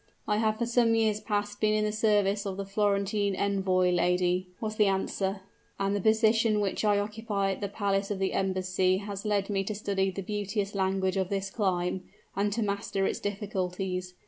"I have for some years past been in the service of the Florentine envoy, lady," was the answer; "and the position which I occupy at the palace of the embassy has led me to study the beauteous language of this clime, and to master its difficulties.